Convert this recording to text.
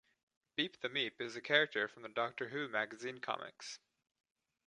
Beep the Meep is a character from the Doctor Who Magazine comics.